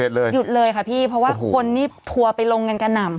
หยุดเลยค่ะพี่เพราะว่าคนนี่ทัวร์ไปลงกันกระหน่ำ